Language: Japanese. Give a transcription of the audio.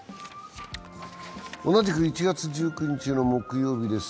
同じく１月１９日の木曜日です。